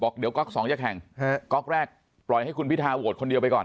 เดี๋ยวก๊อกสองจะแข่งฮะก๊อกแรกปล่อยให้คุณพิทาโหวตคนเดียวไปก่อน